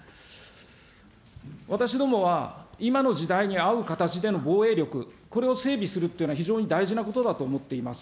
私どもは今の時代に合う形での防衛力、これを整備するっていうのは、非常に大事なことだと思っています。